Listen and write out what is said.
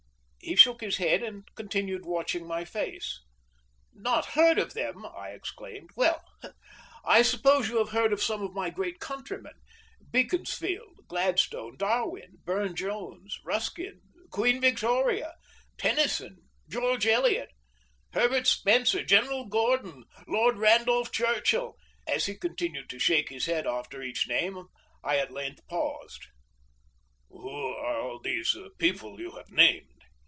He shook his head, and continued watching my face. "Not heard of them!" I exclaimed. "Well, I suppose you have heard of some of my great countrymen: Beaconsfield, Gladstone, Darwin, Burne Jones, Ruskin, Queen Victoria, Tennyson, George Eliot, Herbert Spencer, General Gordon, Lord Randolph Churchill " As he continued to shake his head after each name I at length paused. "Who are all these people you have named?"